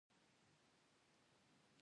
منګل به یې په وینو سور کړي.